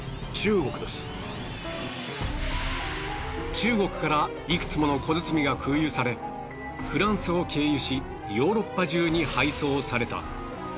中国からいくつもの小包が空輸されフランスを経由しヨーロッパ中に配送された。